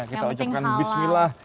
kita ucapkan bismillah